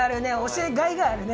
教えがいがあるね。